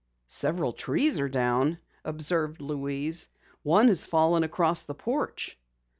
"Several trees are down," observed Louise. "One has fallen across the porch."